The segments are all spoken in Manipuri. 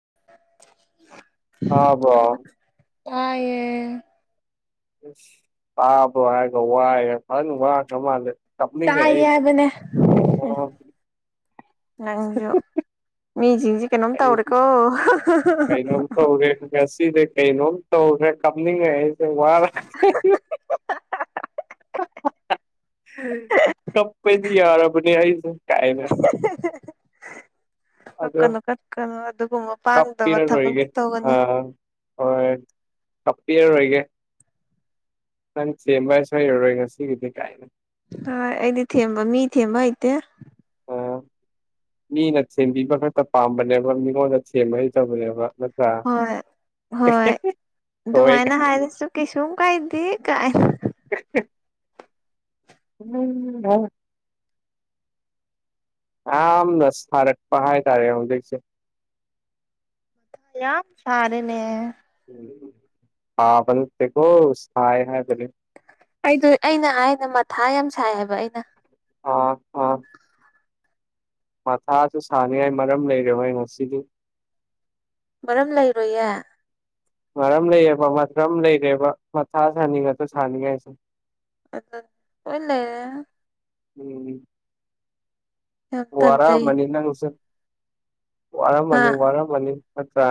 [inaudible] ꯑꯕꯣ ꯇꯌꯦ ꯄꯥꯄ ꯍꯥꯏꯒ ꯋꯥ ꯌꯥ ꯐ ꯋꯥ ꯀꯃ ꯂꯩꯦ ꯇꯞꯅꯤꯡ ꯇꯥꯏ ꯍꯁ ꯍꯥꯏꯕꯅꯦ ꯑꯣ ꯅꯪꯖꯨ ꯃꯤ ꯃꯤꯡꯁꯤ ꯀꯩꯅꯣꯝ ꯑꯩꯁꯦ ꯇꯧꯔꯦꯀꯣ ꯀꯩꯅꯣꯝ ꯇꯧꯔꯦ ꯉꯁꯤꯁꯦ ꯀꯩꯅꯣꯝ ꯇꯧꯈ꯭ꯔꯦ ꯀꯞꯅꯤꯡꯉꯦ ꯑꯩꯁꯦ ꯋꯥꯔꯦ ꯀꯞꯄꯩꯗꯤ ꯌꯥꯔꯕꯅꯌꯥꯏꯁ [inaudible] ꯑꯗꯣ ꯀꯞꯀꯅꯨ ꯀꯠꯀꯅꯨ ꯑꯗꯨꯒꯨꯝꯕ ꯄꯥꯡꯗꯕ ꯊꯕꯛꯇ ꯇꯧꯒꯅꯨ ꯑꯣ ꯊꯞꯇꯤꯔ ꯑꯣꯏꯒꯦ ꯅꯪ ꯁꯦꯝꯕ ꯍꯥꯏ ꯁ꯭ꯋꯥꯏ ꯌꯧꯔꯣꯏ ꯉꯁꯤꯒꯤꯗꯤ ꯀꯥꯏꯅ ꯍꯣꯏ ꯑꯩꯗꯤ ꯊꯦꯝꯕ ꯃꯤ ꯊꯦꯝꯕ ꯍꯩꯇꯦ ꯃꯤꯅ ꯁꯦꯝꯕꯤꯕ ꯈꯛꯇ ꯄꯥꯝꯕꯅꯦꯕ ꯃꯤꯉꯣꯟꯗ ꯁꯦꯝꯕ ꯍ ꯇꯕꯅꯦꯕ ꯍꯣꯏ ꯍꯣꯏ ꯊꯑꯣꯏ ꯨꯃꯥꯏꯅꯥ ꯍꯥꯁꯨ ꯀ ꯁ ꯀꯥꯏ ꯊ ꯀꯥꯏ ꯎꯝ ꯍ ꯌꯥꯝꯅ ꯁꯥꯔꯛꯄ ꯍꯥꯏꯇꯥꯔꯦ ꯍꯧꯖꯤꯛꯁꯦ ꯌꯥ ꯁꯔꯦ ꯂ ꯍꯥꯥꯕꯀꯣ ꯊ ꯍꯥꯏ ꯑꯩꯗ ꯑꯩꯅ ꯍꯥꯏꯅ ꯃꯊꯥ ꯌꯥꯝ ꯁꯥꯏꯑꯕ ꯑꯩꯅ ꯑꯥ ꯑꯥ ꯃꯊꯥꯁꯨ ꯁꯥꯅꯤꯡꯉꯥꯏ ꯃꯔꯝ ꯂꯩꯔꯣꯏ ꯉꯁꯤꯗꯤ ꯃꯔꯝ ꯂꯩꯔꯣꯏꯌꯦ ꯃꯔꯝ ꯂꯩꯌꯦꯕ꯭ꯔꯝ ꯂꯩꯔꯦꯕ ꯃꯊꯥ ꯁꯥꯅꯤꯡꯉꯗ ꯁꯥꯅꯤꯡꯉꯥꯏꯁꯦ ꯑ ꯍꯣꯏ ꯂꯩꯔꯦ ꯎꯝ ꯌꯥꯝ ꯋꯥꯔ ꯇꯟꯖꯩ ꯃꯅꯤꯅꯉꯁꯔ ꯋꯥꯔ ꯍꯥ ꯃꯅꯤ ꯋꯥꯔ ꯃꯅꯤ ꯄꯠꯇ꯭ꯔꯥ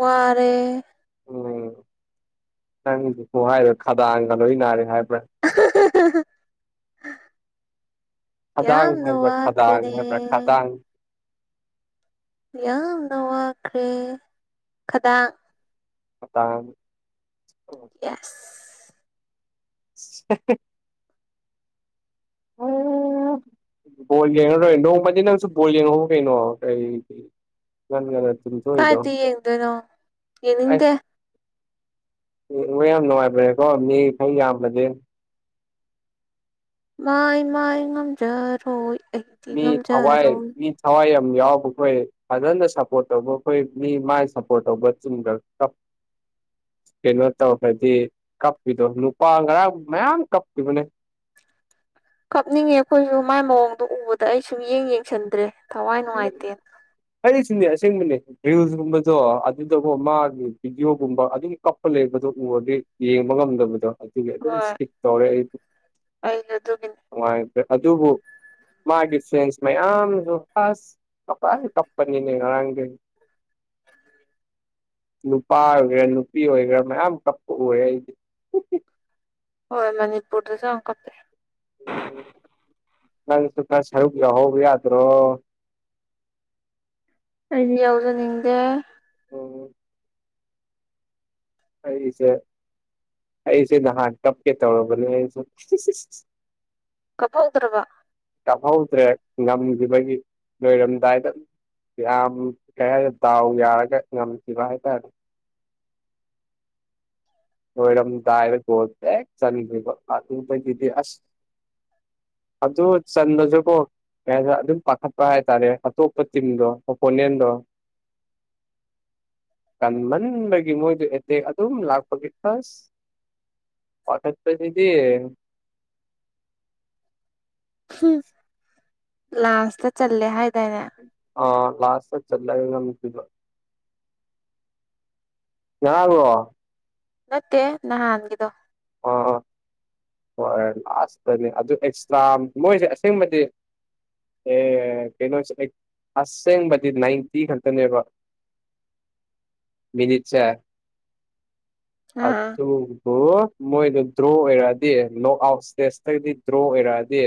ꯋꯥꯔꯦ ꯎꯝꯝ ꯅꯪꯗꯨ ꯍꯥꯏꯔ ꯈꯗꯥꯡꯒ ꯂꯣꯏ ꯅꯥꯔꯦ ꯍꯥꯏꯕ [unintelligible] ꯈꯗꯥꯡ ꯌꯥꯌꯥꯝ ꯅꯣ ꯍꯥꯏꯕ꯭ꯔꯥ ꯋꯥ ꯈꯗꯥꯡ ꯍꯥꯏꯕ꯭ꯔꯥ ꯀꯅꯦꯦ ꯈꯗꯥꯡ ꯌꯥꯝꯅ ꯋꯥꯈ꯭ꯔꯦ ꯈꯗꯥꯡ ꯑ ꯌꯥ [unintelligible] [unintelligible] ꯣꯂꯤ ꯌꯦꯅ ꯔ ꯅ ꯃ ꯁ ꯣꯂꯤ ꯌꯦꯅ ꯍ ꯀꯩꯩꯅꯣ ꯀ ꯅꯦ ꯀꯗꯤ ꯌꯦꯡꯗꯣꯏꯅꯣ ꯌꯦꯡꯅꯤꯡꯗꯦ ꯍꯣꯏ ꯌꯥꯝ ꯅꯨꯡꯉꯥꯏꯕ꯭ꯔꯦꯀꯣ ꯃꯤ ꯈꯩ ꯌꯥꯝꯂꯗꯤ [unintelligible] ꯃꯥꯏ ꯃꯥꯏ ꯉꯝꯖꯔꯣꯏ ꯑꯩꯗꯤ ꯃꯤ ꯊꯋꯥꯏ ꯉꯝꯖꯔꯣꯏ ꯃꯤ ꯊꯋꯥꯏ ꯌꯥꯎꯕ ꯑꯩꯈꯣꯏ ꯐꯖꯅ ꯁꯞꯄꯣꯔꯠ ꯇꯧꯕ ꯑꯩꯈꯣꯏ ꯃꯤ ꯃꯥꯏ ꯁꯞꯄꯣꯔꯠ ꯇꯧꯕ ꯆꯨꯝꯗ [unintelligible] ꯀꯩꯅꯣ ꯇꯧꯈ꯭ꯔꯗꯤ ꯀꯞꯄꯤꯗꯣ ꯅꯨꯄꯥ ꯉꯔꯥꯡ ꯃꯌꯥꯝ ꯀꯞꯈꯤꯕꯅꯦ ꯀꯞꯅꯤꯡꯉꯦ ꯑꯩꯈꯣꯏꯁꯨ ꯃꯥꯏ ꯃꯑꯣꯡꯗꯣ ꯎꯕꯗ ꯑꯩ ꯁꯨꯝ ꯌꯦꯡ ꯌꯦꯡꯁꯤꯟꯗ꯭ꯔꯦ ꯊꯋꯥꯏ ꯅꯨꯡꯉꯥꯏꯇꯦ ꯍꯥꯏꯔꯤꯁꯨꯅꯦ ꯑꯁꯦꯡꯕꯅꯦ ꯔꯤꯜꯁꯀꯨꯝꯕꯗꯣ ꯑꯗꯨꯗꯕꯨ ꯃꯥꯒꯤ ꯚꯤꯗꯤꯑꯣꯣꯒꯨꯝꯕ ꯑꯗꯨꯒꯤ ꯀꯞꯄ ꯂꯩꯕ ꯑꯗꯨ ꯎꯔꯗꯤ ꯌꯦꯡꯕ ꯉꯝꯗꯕꯗꯣ ꯑꯗꯨꯒꯤ ꯑꯗꯨꯝ ꯏꯁꯀꯤꯛ ꯇꯧꯔꯦ ꯑꯩ ꯑꯩꯗ ꯑꯗꯨ ꯃꯤ ꯅꯨꯡꯉꯥꯏꯇ꯭ꯔꯦ ꯑꯗꯨꯕꯨ ꯃꯥꯒꯤ ꯐ꯭ꯔꯦꯟꯁ ꯃꯌꯥꯝꯗꯨꯣ ꯑ ꯀꯄꯥꯏ ꯀꯞꯄꯅꯤꯅꯦ ꯉꯔꯒꯦ [unintelligible] ꯅꯨꯄꯥ ꯑꯣꯏꯒꯦꯔꯥ ꯅꯨꯄꯤ ꯑꯣꯏꯒꯦꯔꯥ ꯃꯌꯥꯝ ꯀꯛꯄ ꯎ ꯑꯩꯗꯤ ꯍꯣꯏ ꯃꯅꯤꯄꯨꯔꯗ ꯆ ꯀꯄꯦ ꯁꯨ ꯊ ꯁꯔꯨꯒꯌꯥ ꯍꯕ ꯌꯥꯗ꯭ꯔꯣ ꯑꯩꯗꯤ ꯌꯥꯎꯖꯅꯤꯡꯗꯦ ꯑꯣ ꯑꯩꯁꯦ ꯑꯩꯁꯤꯦꯗ ꯍꯥ ꯀꯞꯀꯦ ꯇꯧꯣꯁꯨ ꯀꯞꯍꯧꯗ꯭ꯔꯕ ꯉꯪꯍꯧꯗ꯭ꯔꯦ ꯉꯝꯈꯤꯕꯒꯤ ꯂꯣꯏꯔꯝꯗꯥꯏꯗ ꯌꯥꯝ ꯀꯩ ꯍꯥꯏꯔꯦ ꯗꯥꯎ ꯌꯥꯔꯒ ꯉꯝꯈꯤꯕ ꯍꯥꯏꯇꯥꯔꯦ [unintelligible] ꯔꯝ ꯗꯗꯥꯏꯔꯦꯣꯗ ꯆ ꯑꯗꯨꯨꯡꯗꯤ ꯑꯁ ꯑꯗꯨꯗꯨ ꯆꯟꯗꯖꯕꯨꯣ ꯑꯗꯨꯝ ꯄꯥꯈꯠꯄ ꯍꯥꯏꯇꯥꯔꯦ ꯑꯇꯣꯞꯄ ꯇꯤꯝꯗꯣ ꯑꯣꯄꯣꯅꯦꯟꯗꯣ [unintelligible] ꯀꯟꯃꯟꯕꯒꯤ ꯃꯣꯏꯗꯨ ꯑꯦꯇꯦꯛ ꯑꯗꯨꯝ ꯂꯥꯛꯄꯒꯤ ꯍꯁ ꯍꯇꯠ ꯇꯁꯤꯗꯤ ꯂꯥꯟꯁꯇ ꯆꯂ ꯍꯥꯏ ꯑ ꯀ꯭ꯂꯥꯁ ꯆ ꯆꯠꯂꯒ ꯉꯉꯣ ꯅꯠꯇꯦ ꯅꯍꯥꯟꯒꯤꯗꯣ ꯑꯥ ꯍꯣꯏ ꯂꯥꯁꯇꯅꯤ ꯑꯗꯨ ꯏꯁꯂꯥꯝ ꯃꯣꯏꯁꯦ ꯑꯁꯦꯡꯕꯗꯤ ꯑꯦ ꯀꯩꯅꯣꯁꯦ ꯑꯩ ꯑꯁꯦꯡꯕꯗꯤ ꯅꯥꯏꯟꯇꯤ ꯈꯛꯇꯅꯦꯕ [unintelligible] ꯃꯤꯅꯤꯠꯁꯦ ꯑꯥ ꯑꯊ ꯍꯣ ꯃꯣꯏꯗꯨ ꯗ꯭ꯔꯣ ꯑꯣꯏꯔꯛꯑꯗꯤ ꯂꯣꯛ ꯑꯥꯎꯠ ꯏꯁꯇꯦꯖꯇꯒꯤꯗꯤ ꯗ꯭ꯔꯣ ꯑꯣꯏꯔꯛꯑꯗꯤ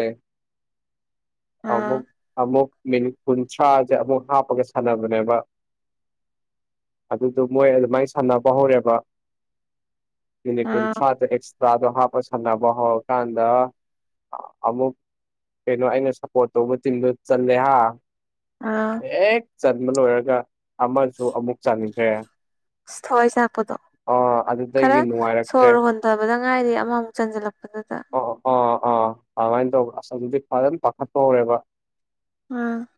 ꯑꯥ ꯑꯃꯛ ꯑꯃꯃꯨꯛ ꯃꯅꯤ ꯄꯨ ꯁꯥꯁꯦ ꯑꯃꯨꯛ ꯍꯥꯞꯄꯒ ꯁꯥꯟꯅꯕꯅꯦꯕ ꯑꯗꯨꯗꯣ ꯃꯣꯏ ꯑꯗꯨꯃꯥꯏꯅ ꯁꯥꯟꯅꯕ ꯍꯧꯔꯦꯕ ꯃꯤꯅꯤꯠ ꯀꯨꯟ ꯑꯥ ꯑꯦꯛꯁꯇ꯭ꯔꯥꯗꯣ ꯍꯥꯞꯄ ꯁꯥꯟꯅꯕ ꯍꯧꯔꯀꯥꯟꯗ ꯑꯃꯨꯛ ꯀꯩꯅꯣ ꯑꯩꯅ ꯁꯞꯄꯣꯔꯠ ꯇꯧꯕ ꯇꯤꯟꯗꯨ ꯆꯜꯂꯦ ꯍꯥ ꯑꯥ ꯍꯦꯛ ꯆꯟꯕ ꯂꯣꯏꯔꯒ ꯑꯃꯁꯨ ꯑꯃꯨꯛ ꯆꯟꯈ꯭ꯔꯦ ꯁꯣꯏ ꯆꯄꯗꯣ ꯑꯥ ꯑꯗꯨꯗꯒꯤ ꯈꯔ ꯅꯨꯡꯉꯥꯏꯔꯛꯇ꯭ꯔꯦ ꯁꯣꯔ ꯍꯣꯟ ꯐꯠꯇꯕꯗ ꯉꯥꯏꯔꯤꯦ ꯑꯃꯃꯨꯛ ꯆꯟꯁꯤꯜꯂꯛꯄꯗꯨꯗ ꯑꯥ ꯑꯥ ꯑꯥ ꯑꯗꯨꯃꯥꯏꯅ ꯇꯧꯕ ꯑꯁ ꯍꯧꯛ ꯐꯖꯅ ꯄꯥꯈꯠꯄ ꯍꯧꯔꯦꯕ ꯎꯝ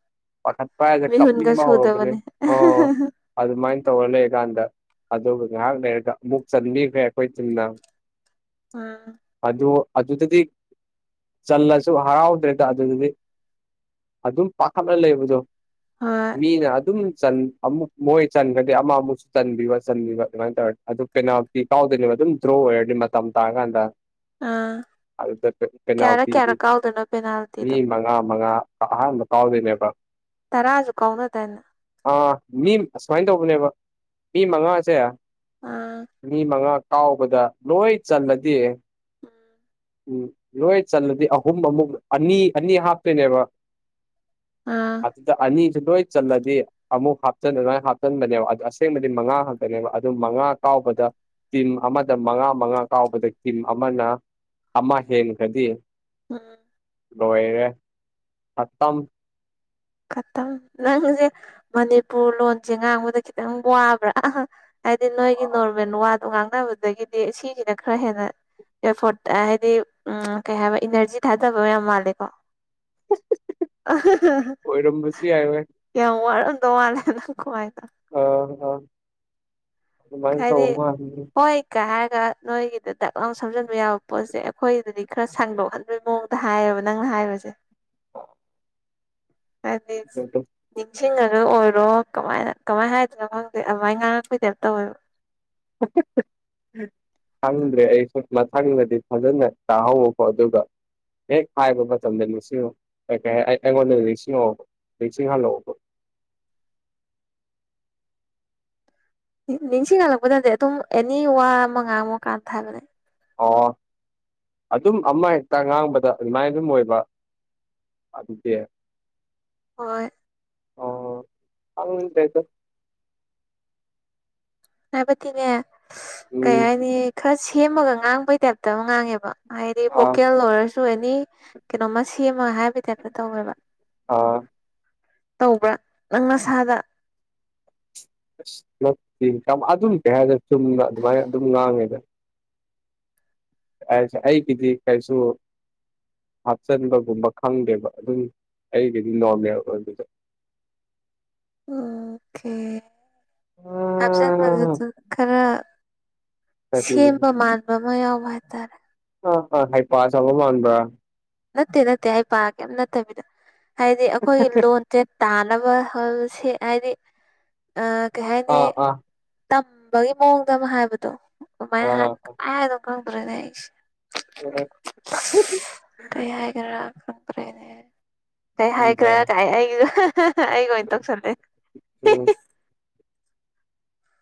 ꯄꯥꯈꯠꯄ ꯍꯥꯏꯁꯦ ꯀꯞꯅꯤꯡꯕ ꯍꯧꯔꯕꯅꯦ ꯑꯣ ꯑꯗꯨꯃꯥꯏꯅ ꯇꯧꯔ ꯂꯩꯔꯀꯥꯟꯗ ꯑꯗꯨꯒ ꯉꯥꯏꯍꯥꯛ ꯂꯩꯔꯒ ꯑꯃꯨꯛ ꯆꯟꯕꯤꯈ꯭ꯔꯦ ꯑꯩꯈꯣꯏ ꯇꯤꯅ ꯎꯝ ꯑꯗꯨꯗꯗꯤ ꯆꯜꯂꯁꯨ ꯍꯔꯥꯎꯗ꯭ꯔꯦꯗ ꯑꯗꯨꯗꯗꯤ ꯑꯗꯨꯝ ꯄꯥꯈꯠꯅ ꯂꯩꯕꯗꯣ ꯍꯣꯏ ꯃꯤꯅ ꯑꯗꯨꯝ ꯑꯃꯨꯛ ꯃꯣꯏ ꯆꯟꯈ꯭ꯔꯗꯤ ꯑꯃ ꯑꯃꯨꯛꯁꯨ ꯆꯟꯕꯤꯕ ꯆꯟꯕꯤꯕ ꯑꯗꯨꯃꯥꯏꯅ ꯇꯧꯔ ꯑꯗꯨ ꯄꯦꯅꯥꯜꯇꯤ ꯀꯥꯎꯗꯣꯏꯅꯦꯕ ꯑꯗꯨꯝ ꯇ꯭ꯔꯣꯔ ꯃꯇꯝ ꯇꯥꯒꯥꯟꯗ ꯑꯗꯨꯗ ꯀꯩꯅꯣ ꯀꯌꯥꯔꯛ ꯄꯤꯗꯤ ꯀꯌꯥꯔꯛ ꯀꯥꯎꯗꯣꯏꯅꯣ ꯃꯤ ꯄꯦꯅꯥꯜꯇꯤꯗꯣ ꯃꯉꯥ ꯃꯉꯥ ꯇꯥꯎꯗꯅꯦꯕ ꯇꯔꯥꯁꯨ ꯀꯥꯎꯅꯗꯥꯏꯅꯦ ꯑꯥ ꯃꯤ ꯑꯁꯨꯃꯥꯏꯅ ꯇꯧꯕꯅꯦꯕ ꯃꯤ ꯃꯉꯥꯁꯦ ꯃꯤ ꯃꯉꯥ ꯀꯥꯎ ꯗ ꯂꯣꯏ ꯆꯜꯅꯗꯤ ꯎꯝ ꯂꯣꯏ ꯆꯜꯂꯗꯤ ꯑꯍꯨꯝ ꯑꯃꯨꯛ ꯑꯅꯤ ꯑꯅꯤ ꯍꯥꯞꯇꯣꯏꯅꯦꯕ ꯑ ꯑꯅꯤ ꯂꯣꯏ ꯆꯜꯂꯗꯤ ꯑꯃꯨꯛ ꯍꯥꯞꯆꯟ ꯂꯅ ꯍꯥꯞꯆꯟꯕꯅꯦꯕ ꯑꯗꯨ ꯑꯁꯦꯡꯕꯗꯤ ꯃꯉꯥ ꯈꯥꯛꯛꯇꯅꯦꯕ ꯑꯗꯨ ꯃꯉꯥ ꯀꯥꯎ [inaudible] ꯗ ꯃꯉꯥ ꯃꯉꯥ ꯀꯥꯎꯕꯗ ꯇꯤꯝ ꯑꯃꯅ ꯑꯃ ꯍꯦꯟꯈ꯭ꯔꯗꯤ ꯎꯝ ꯂꯣꯏꯔꯦ ꯁꯝ ꯈꯛꯇ ꯅꯪꯁꯦ ꯃꯅꯤꯄꯨꯔ ꯂꯣꯟꯁꯦ ꯉꯥꯡꯕꯗ ꯈꯤꯇꯪ ꯋꯥꯕ꯭ꯔꯥ ꯍꯥꯏꯗꯤ ꯅꯣꯏꯒꯤ ꯅꯣꯔꯃꯦꯜ ꯋꯥꯗ ꯉꯥꯡꯅꯕꯗꯒꯤꯗꯤ ꯁꯤꯁꯤꯅ ꯈꯔ ꯍꯦꯟꯅ ꯐ ꯍꯥꯏꯗꯤ ꯎꯝ ꯀꯩ ꯍꯥꯏꯕ ꯏꯅꯔꯖꯤ ꯊꯥꯗꯕ ꯌꯥꯝ ꯃꯥꯜꯂꯦ ꯀꯣ ꯑꯥꯍ ꯑꯣꯏꯔꯝꯕꯁꯨ ꯌꯥꯏꯦ [unintelligible] ꯑꯥ ꯑꯥ ꯈꯔꯤ ꯍꯣꯏ ꯀꯥ ꯅꯣꯏꯒꯤꯗ ꯗꯛ ꯂꯥꯎ ꯁꯝꯖꯟꯕ ꯌꯥꯕ ꯄꯣꯠꯁꯦ ꯑꯩꯈꯣꯏꯗꯗꯤ ꯈꯔ ꯁꯥꯡꯗꯣꯛꯍꯟꯕꯒꯤ ꯃꯑꯣꯡꯗ ꯍꯥꯏꯌꯦꯕ ꯅꯪꯅ ꯊꯥꯏꯕꯖꯦ ꯍꯥꯏꯗꯤ ꯅꯤꯡꯁꯤꯡꯉꯒ ꯑꯣꯏꯔꯣ ꯀꯃꯥꯏꯅ ꯀꯃꯥꯏꯅ ꯍꯥꯏꯗꯅꯣ ꯈꯪꯗꯦ ꯑꯗꯨꯃꯥꯏꯅ ꯉꯥꯡꯉꯛꯛꯇꯣꯏꯗ ꯇꯋꯣ ꯎꯝ ꯈꯪꯗ꯭ꯔꯦ ꯑꯩꯁꯨ ꯃꯊꯪꯗꯗꯤ ꯐꯖꯅ ꯇꯥꯍꯧꯕꯀꯣ ꯑꯗꯨꯒ ꯍꯦꯛ ꯍꯥꯏꯥꯏꯕ ꯃꯇꯝꯗ ꯅꯤꯡꯁꯤꯡꯉ ꯍꯥꯏ ꯑꯩꯉꯣꯟꯗ ꯅꯤꯡꯁꯤꯡꯉꯛꯑꯣꯕ ꯅꯤꯡꯁꯤꯡꯍꯜꯂꯛꯑꯣꯕ [inaudible] ꯅꯤꯡꯁꯤꯡꯍꯂꯛꯄꯗꯗꯤ ꯑꯗꯨꯝ ꯑꯦꯅꯤ ꯋꯥ ꯑꯃ ꯉꯥꯡꯃꯨꯀꯥꯟꯗ ꯍꯥꯏꯕꯅꯦ ꯑꯣ ꯑꯗꯨꯝ ꯑꯃ ꯍꯦꯛꯇ ꯉꯥꯡꯕꯗ ꯑꯗꯨꯃꯥꯏꯅ ꯑꯗꯨꯝ ꯑꯣꯏꯕ ꯑꯗꯨꯗꯤ ꯍꯣꯏ ꯑꯣ ꯑꯇꯦꯛꯇ ꯍꯥꯏꯕꯗꯤꯅꯦ ꯀꯩ ꯎꯝ ꯍꯥꯏꯅꯤ ꯈꯔ ꯁꯦꯝꯃꯒ ꯉꯥꯡꯕꯩ ꯇꯥꯏꯞꯇ ꯑꯃ ꯉꯥꯡꯉꯦꯕ ꯍꯥꯏꯗꯤ ꯑꯥ ꯚꯣꯀꯦꯜ ꯑꯣꯏꯔꯁꯨ ꯑꯦꯅꯤ ꯀꯩꯅꯣꯃ ꯁꯦꯝ ꯍꯥꯏꯕ ꯇꯥꯏꯞꯇ ꯇꯧꯋꯦꯕ ꯑꯥ ꯇꯧꯕ꯭ꯔꯥ ꯅꯪ ꯑꯁꯥꯗ ꯑꯁ ꯅꯠꯇꯦ ꯑꯗꯨꯝ ꯀꯩ ꯍꯥꯏꯔꯗ ꯆꯨꯝꯅ ꯑꯗꯨꯃꯥꯏꯅ ꯑꯗꯨꯝ ꯉꯥꯡꯉꯦꯗ ꯑꯩ ꯑꯩ ꯀꯗꯤ ꯀꯩꯁꯨ ꯍꯥꯞꯆꯟꯕꯒꯨꯝꯕ ꯈꯪꯗꯦꯕ ꯑꯗꯨꯝ ꯑꯩꯒꯗꯤ ꯅꯣꯔꯃꯦꯜ ꯑꯣꯏꯕꯗꯣ [unintelligible] ꯎꯝ ꯑꯣ ꯍꯥꯖ ꯑꯥ ꯈꯔ ꯁꯤꯕ ꯃꯥꯔꯕ ꯃ ꯌꯥꯎꯕ ꯍꯥꯏꯇꯥꯔꯦ ꯑꯥ ꯑꯥ ꯍꯩꯄꯥ ꯁꯥꯕ ꯃꯥꯟꯕ꯭ꯔꯥ ꯅꯠꯇꯦ ꯅꯠꯇꯦ ꯑꯩ ꯄꯥꯒꯦ ꯅꯠꯇꯕꯤꯗ ꯍꯥꯏꯗꯤ ꯑꯩꯈꯣꯏꯒꯤ ꯂꯣꯟꯁꯦ ꯇꯥꯅꯕ ꯁꯤ ꯍꯥꯏꯗꯤ ꯑꯥꯀꯩ ꯍꯥꯏꯅꯤ ꯑꯥ ꯑꯥ ꯇꯝꯕꯒꯤ ꯃꯑꯣꯡꯗ ꯑꯃ ꯍꯥꯏꯕꯗꯣ ꯑꯗꯨꯃꯥꯏꯅ ꯑꯥ ꯍꯥꯏꯗꯣ ꯈꯪꯗ꯭ꯔꯦꯅꯦ ꯑꯩꯁꯦ ꯀꯩ ꯌꯥꯏ ꯀꯩꯅ ꯈ ꯄꯔꯦꯅꯦ ꯀꯩ ꯈꯪꯗ꯭ꯔꯦ ꯍꯥꯏꯈ꯭ꯔꯥ ꯀꯥꯏ ꯑꯩꯁꯨ ꯑꯩꯒ ꯑꯣꯏꯅ ꯇꯧꯁꯜꯂꯦ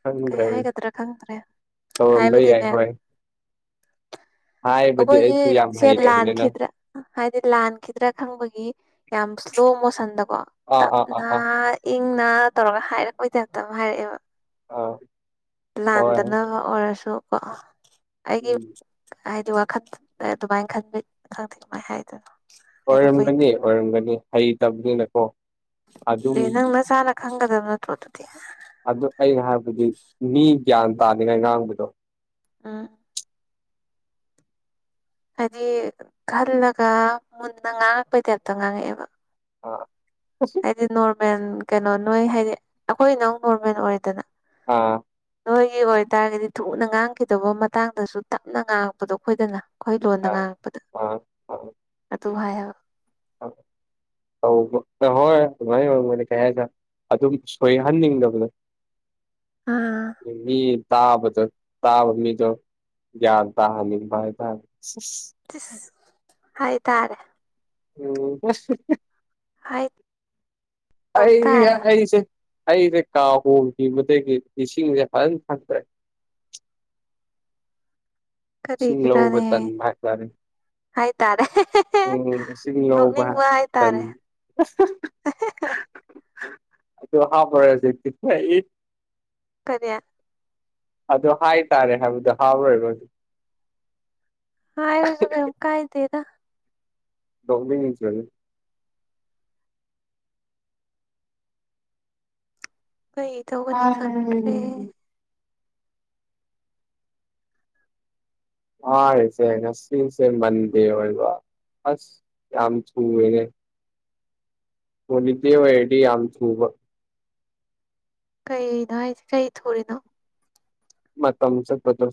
ꯊ ꯀꯩ ꯍꯥꯏꯒꯗ꯭ꯔꯥ ꯈꯪꯗ꯭ꯔꯦ ꯑꯃ ꯂꯩ ꯌꯥ ꯍꯣꯏ ꯍꯥꯏꯕꯗꯤ ꯑꯩꯈꯣꯏꯒꯤ ꯑꯩꯁꯨ ꯌꯥꯝ ꯁꯦ ꯍꯩꯇꯕꯅꯤꯅ ꯂꯥꯟꯈꯤꯗ꯭ꯔꯥ ꯍꯥꯏꯗꯤ ꯂꯥꯟ ꯈꯤꯗ꯭ꯔꯥ ꯈꯪꯕꯒꯤ ꯌꯥꯝ ꯏꯁ꯭ꯂꯣ ꯃꯣꯁꯟꯗ ꯑꯥ ꯑ ꯑꯥ ꯑ ꯪꯅ ꯇꯧꯔꯒ ꯍꯥꯏꯔꯛꯑꯣꯗꯦ ꯍꯥꯏꯦꯇ ꯑꯃ ꯍꯥꯏꯔꯛꯑꯦꯕ ꯑ ꯂꯥꯟꯗꯅꯕ ꯑꯣꯏꯔꯁꯨ ꯀꯣ ꯑꯩꯒꯤ ꯎꯝ ꯍꯥꯏꯗꯤ ꯋꯥꯈꯜ ꯑꯗꯨꯃꯥꯏꯅ ꯈꯟꯕꯤ ꯈꯪꯗꯦ ꯑꯗꯨꯃꯥꯏ ꯍꯥꯏꯗꯣꯏꯅꯣ ꯍꯥꯏꯗꯣꯛꯄꯩ ꯑꯣꯏꯔꯝꯒꯅꯤ ꯑꯣꯏꯔꯝꯒꯅꯤ ꯍꯩꯇꯕꯅꯤꯅꯀꯣ ꯑꯗꯨꯝ ꯑꯦ ꯅꯪ ꯅꯁꯥꯅ ꯈꯪꯒꯗꯕ ꯅꯠꯇ꯭ꯔꯣ ꯑꯗꯨꯗꯤ ꯑꯗꯨ ꯑꯩꯅ ꯍꯥꯏꯕꯗꯤ ꯃꯤ ꯒ꯭ꯌꯥꯟ ꯇꯥꯅꯤꯡꯉꯥꯏ ꯉꯥꯡꯕꯗꯣ ꯑꯥ ꯍꯥꯏꯗꯤ ꯈꯜꯂꯒ ꯃꯨꯟꯅ ꯉꯥꯡꯉꯛꯄꯩꯗꯤ ꯑꯝꯇ ꯉꯥꯡꯉꯛꯑꯦꯕ ꯑ ꯍꯥꯏꯗꯤ ꯅꯣꯔꯃꯦꯜ ꯀꯩꯅꯣ ꯅꯣꯏ ꯍꯥꯏꯗꯤ ꯑꯩꯈꯣꯏ ꯅꯪ ꯅꯣꯔꯃꯦꯜ ꯑꯣꯏꯗꯅ ꯑꯥ ꯅꯣꯏꯒꯤ ꯑꯣꯏꯇꯥꯔꯒꯗꯤ ꯊꯨꯅ ꯉꯥꯡꯈꯤꯗꯕ ꯃꯇꯥꯡꯗꯁꯨ ꯇꯞꯅ ꯉꯥꯡꯉꯛꯄꯗꯣ ꯑꯩꯈꯣꯏꯗꯅ ꯑꯩꯈꯣꯏ ꯂꯣꯟꯗ ꯉꯥꯡꯉꯛꯄꯗ ꯑꯥ ꯑꯥ ꯑꯗꯨ ꯍꯥꯏꯌꯦꯕ ꯍꯣꯏ ꯃꯅꯤ ꯃ ꯀ ꯑꯗꯨꯝ ꯁꯣꯏꯍꯟꯅꯤꯡꯗꯕꯅꯦ ꯑꯥ ꯑꯗꯒꯤ ꯇꯥꯕꯗꯣ ꯇꯥꯕ ꯃꯤꯗꯣ ꯒ꯭ꯌꯥꯟ ꯇꯥꯍꯅꯤ ꯚꯥꯏ ꯇꯥ ꯍꯥꯏ ꯇꯥꯔꯦ ꯑꯣ ꯍꯥꯏ ꯇꯧ ꯑꯩ ꯇꯥꯔꯦ ꯑꯩꯔꯤꯁꯦ ꯑꯩꯁꯦ ꯀꯥ ꯍꯣꯡꯈꯤꯕꯈꯤꯕꯗꯒꯤ ꯏꯁꯤꯡꯁꯦ ꯐꯖꯅ ꯐꯪꯗ꯭ꯔꯦ ꯀꯔꯤ ꯂꯧꯕ ꯀꯔꯅꯦ ꯇꯟꯕ ꯍꯥꯏꯥꯏ ꯇꯥꯔꯦ ꯎꯝꯁꯤꯡ ꯌꯥꯎꯕ ꯍꯥꯏꯇꯥꯔꯦ ꯍꯥ ꯐꯔꯁꯤꯦ ꯀꯔꯤꯌꯥ ꯑꯗꯨ ꯍꯥꯏ ꯇꯔꯦ ꯍꯥꯏꯕꯗꯣ ꯍꯥꯎꯔꯣꯏꯕ ꯑꯗꯨ ꯑꯔꯣꯖꯒꯝ ꯀꯥꯏꯗꯦꯗ ꯗꯣꯃꯤꯁꯅꯤ ꯀꯩ ꯇꯧꯒꯅꯤ ꯑꯥꯏ ꯈꯛꯇ꯭ꯔꯦ ꯑꯁꯦ ꯉꯁꯤꯟꯁꯦ ꯃꯟꯦ ꯑꯣꯏꯜ ꯋꯥ ꯑꯁ ꯌꯥꯝꯝ ꯆꯨꯅꯦ ꯑꯣꯅꯤꯇ ꯍꯥꯏꯦꯗꯤ ꯌꯥꯝ ꯆꯨꯕ ꯀꯩꯅꯣ ꯍꯥꯏꯁꯦ ꯀꯩ ꯊꯨꯔꯤꯅꯣ ꯃ ꯃꯇꯝꯝ ꯆ ꯀꯗꯨꯣ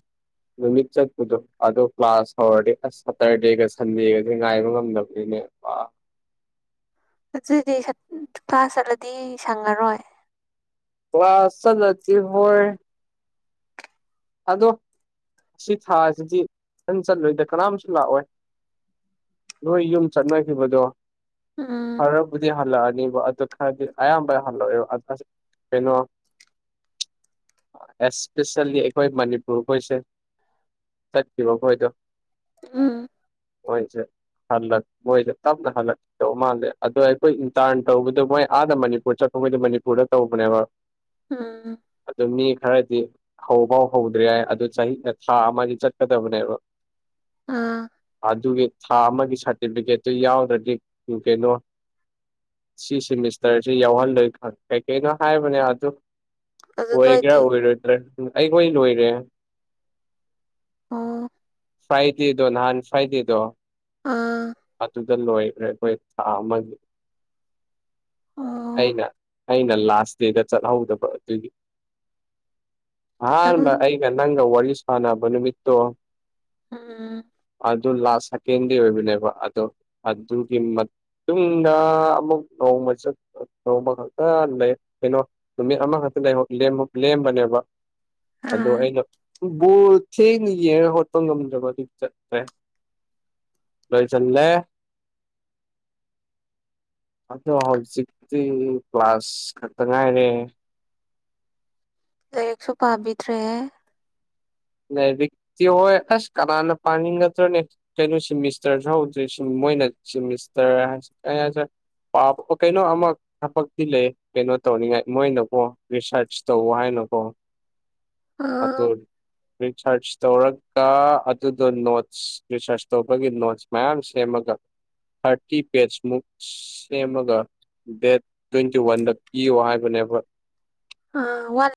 ꯅꯨꯃꯤꯠ ꯆꯠꯄꯗꯣ ꯑꯣ ꯀ꯭ꯂꯥꯁ ꯍꯧꯔꯗꯤ ꯑꯁ ꯁꯇꯔꯗꯦꯒ ꯁꯟꯗꯦꯒꯁ ꯉꯥꯏꯕ ꯉꯝꯗꯕꯅꯤꯅꯦ ꯋꯥ [inaudible] ꯑꯗꯨꯏꯗꯤ ꯀ꯭ꯂꯥꯁ ꯆꯠꯂꯗꯤ ꯁꯪꯉꯔꯣꯏ ꯑ ꯆꯂꯗꯤ ꯍꯣꯏ ꯑꯗꯣ ꯁꯤ ꯊꯥꯁꯤꯗꯤ ꯅ ꯆꯠꯂꯣꯏꯗ ꯀꯅꯥꯝꯨ ꯂꯥꯛꯑꯣꯏ ꯅꯣꯏ ꯌꯨꯝ ꯆꯠꯅꯈꯤꯕꯗꯣ ꯎꯝ ꯈꯔꯕꯨꯗꯤ ꯍꯜꯂꯛꯑꯅꯤ ꯕ ꯑꯗꯨ ꯈꯔꯗꯤ ꯑꯌꯥꯝꯕ ꯍꯜꯂꯛꯑꯦꯕ ꯑꯗꯨ ꯀꯩꯅꯣ ꯑꯦꯁꯄꯦꯁ ꯑꯩꯈꯣꯏ ꯃꯅꯤꯄꯨꯔꯈꯣꯏꯁꯦ ꯆꯠꯈꯤꯕꯈꯣꯏꯗꯣ ꯑꯝ [unintelligible] [inaudible] ꯍꯣꯏꯁꯦ ꯍꯜꯂꯛ ꯃꯣꯏꯗ ꯇꯞꯅ ꯍꯜꯂꯛ ꯇꯧ ꯃꯥꯜꯂꯦ ꯑꯗꯣ ꯑꯩꯈꯣꯏ ꯏꯟꯇꯟ ꯇꯧꯕꯗꯣ ꯃꯣꯏ ꯑꯥꯗ ꯃꯅꯤꯄꯨꯔ ꯆꯠ ꯑꯩꯈꯣꯏꯗꯤ ꯃꯅꯤꯄꯨꯔꯗ ꯇꯧꯕꯅꯦꯕ ꯎꯝ [inaudible] ꯑꯗꯨ ꯃꯤ ꯈꯔꯗꯤ ꯍꯧꯐꯥꯎ ꯍꯧꯗ꯭ꯔꯦ ꯌꯥꯏ ꯑꯗꯨ ꯆꯍꯤꯅ ꯊ꯭ꯔꯥ ꯑꯃꯗꯤ ꯆꯠꯀꯗꯕꯅꯦꯕ ꯑꯥ ꯑ ꯑꯗꯨꯕ ꯊꯥ ꯑꯃꯒꯤ ꯁꯥꯔꯇꯤꯐꯤꯀꯦꯠꯇꯨ ꯌꯥꯎꯗ꯭ꯔꯗꯤ ꯀꯩꯅꯣ ꯁꯤ ꯁꯤꯦꯃꯤꯁꯇꯔꯁꯤ ꯌꯥꯎꯍꯜꯂꯣꯏ ꯈꯪꯦ ꯀꯩꯀꯩꯅꯣ ꯍꯥꯏꯕꯅꯦ ꯑꯗꯨ ꯑꯗꯨ ꯑꯣꯏꯒꯦꯔꯥ ꯅꯣꯏꯗꯤ ꯑꯣꯏꯔꯣꯏꯗ꯭ꯔꯦ ꯎ ꯑꯩ ꯍ ꯂꯣꯏꯔꯦ ꯑꯣ [inaudible] ꯐꯥꯏꯗ ꯏꯣ ꯅꯥꯟ ꯐꯥꯏꯗ ꯏꯣ ꯑꯥ [unintelligible] [inaudible] ꯂꯣꯏꯈ꯭ꯔꯦ ꯑꯩꯈꯣꯏ ꯊꯥ ꯑꯃꯒꯤ ꯑꯣ ꯑꯩꯅ ꯑꯩꯅ ꯂꯥꯁ ꯗꯦꯗ ꯆꯠꯍꯧꯗꯕ ꯑꯗꯨꯒꯤ ꯅꯪ ꯍꯥꯃ ꯑꯩꯒ ꯅꯪ ꯋꯥꯂꯤ ꯁꯅꯕꯅꯤꯃꯤꯠꯇꯣ ꯑꯝ [unintelligible] [inaudible] ꯑꯗꯨ ꯂꯥꯁ ꯁꯦꯀꯦꯟꯗꯤ ꯑꯣꯏꯕꯅꯦꯕ ꯑꯗꯣ ꯑꯗꯨꯒꯤ ꯇꯨꯡꯗ ꯑꯃꯨꯛ ꯅꯣꯡꯃ ꯆꯠ ꯅꯣꯡꯃ ꯈꯛꯇ ꯂꯩ ꯀꯩꯅꯣ ꯅꯨꯃꯤꯠ ꯑꯃꯈꯛꯇ ꯂꯦꯝꯕꯅꯦꯕ ꯑ ꯑꯗꯨꯗ ꯑꯩꯅ ꯕꯣꯔ ꯊꯦꯡꯅ ꯌꯦꯡꯉ ꯍꯣꯠꯄ ꯉꯝꯗ꯭ꯔꯕ ꯑꯗꯨ ꯆꯠ꯭ꯔꯦ ꯂꯁꯦ [inaudible] [unintelligible] ꯗꯤ ꯀ꯭ꯂꯥꯁ ꯈꯛꯇ ꯉꯥꯏꯅꯦꯦ ꯂꯥꯏꯔꯤꯛꯁꯨ ꯄꯥꯕꯤꯗ꯭ꯔꯦ ꯅ ꯛꯇꯤ ꯍꯣꯏ ꯑꯁ ꯀꯅꯥꯅ ꯄꯥꯅꯤꯡꯒꯗ꯭ꯔꯣ ꯅ ꯀꯩꯅꯣ ꯁꯤꯃꯤꯁꯇꯔꯗ꯭ꯔ ꯃꯣꯏꯅ ꯆꯤ ꯃꯤꯁꯇꯔ ꯀꯩꯅ ꯍꯥꯏꯦ ꯀꯩꯅꯣ ꯑꯃ ꯊꯕꯛꯇꯤ ꯂꯩ ꯀꯩꯅꯣ ꯇꯧꯅꯤꯡꯉꯥꯏ ꯃꯣꯏꯅꯕꯨ ꯔꯤꯁꯥꯔꯁ ꯇꯧ ꯍꯥꯏꯅ ꯣ ꯑ ꯑꯗꯨꯇꯩ [inaudible] ꯔꯤꯁꯔꯁ ꯇꯧꯔꯒ ꯑꯗꯨꯗꯣ ꯅꯣꯠꯁ ꯔꯤꯁꯔꯁ ꯇꯧꯕꯒꯤ ꯅꯣꯠꯁ ꯃꯌꯥꯝ ꯁꯦꯝꯃꯒ ꯊꯥꯔꯇꯤ ꯄꯦꯖ ꯃꯨꯛ ꯁꯦꯝꯃꯒ ꯗꯦꯠ ꯇ꯭ꯋꯦꯟꯇꯤ ꯋꯥꯟꯗ ꯄꯤꯌꯣ ꯍꯥꯏꯕꯅꯦꯕ ꯑ ꯋꯥ [inaudible]